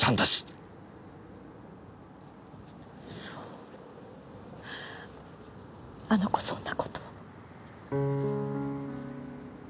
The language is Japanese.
そうあの子そんなことを。